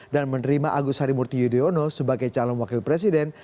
dan menerima agus harimurti yudhoyono sebagai calon wakil presiden